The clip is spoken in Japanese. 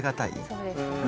そうですよね。